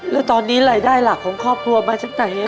แล้วตอนนี้รายได้หลักของครอบครัวมาจากไหน